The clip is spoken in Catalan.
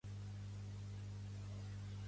Pertany al moviment independentista la Lupe?